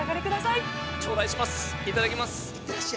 いただきます。